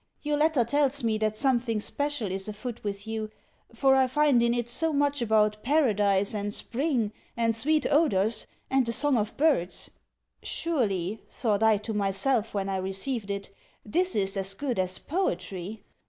Your letter tells me that something special is afoot with you, for I find in it so much about paradise and spring and sweet odours and the songs of birds. Surely, thought I to myself when I received it, this is as good as poetry!